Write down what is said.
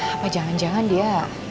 apa jangan jangan dia